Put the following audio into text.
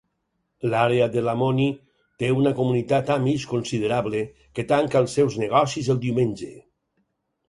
L'àrea de Lamoni té una comunitat Amish considerable que tanca els seus negocis el diumenge.